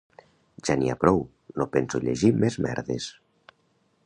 Ja n'hi ha prou, no penso llegir més merdes.